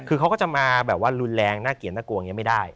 คือเขาก็จะมาแบบว่ารุนแรงน่าเกลียดน่ากลัวอย่างนี้ไม่ได้